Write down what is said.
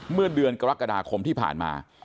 เมื่อเดือนกรกฎาคมที่ผ่านมา